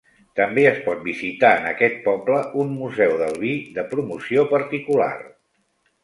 També es pot visitar en aquest poble un museu del vi de promoció particular.